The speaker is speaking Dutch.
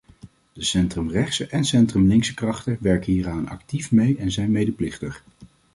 De centrumrechtse en centrumlinkse krachten werken hieraan actief mee en zijn medeplichtig.